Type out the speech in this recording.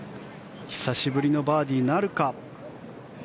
久しぶりのバーディーなるか。